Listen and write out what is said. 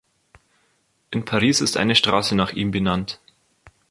In Paris ist eine Straße nach ihm benannt.